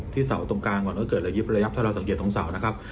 เสาตรงกลางก่อนก็เกิดระยิบระยับถ้าเราสังเกตตรงเสานะครับ